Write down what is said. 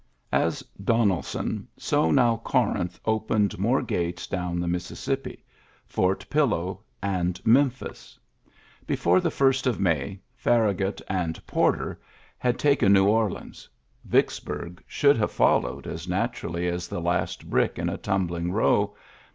' As Donelson, so now Corinth dpened i more gates down the Mississippi — Fort ? Pillow and Memphis. Before the first I of May, Farragut and Porter had taken iiuiary ^ou 70 ULYSSES S. GEA28T "New Orleans. Vicksburg sliotild h followed as naturally as the last bi in a tumbling row.